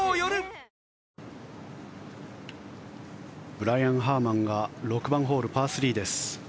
ブライアン・ハーマンが６番ホール、パー３です。